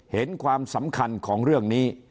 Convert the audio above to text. เห็นความสำคัญของเรื่องนี้